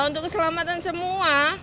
untuk keselamatan semua